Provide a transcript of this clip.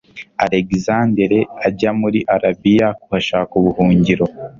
alegisanderi ajya muri arabiya kuhashaka ubuhungiro